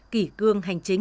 kỷ cương hành chính